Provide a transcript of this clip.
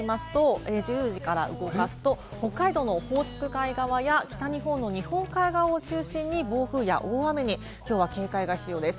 １０時から動かすと、北海道のオホーツク海側や北日本の日本海側を中心に暴風や大雨にきょうは警戒が必要です。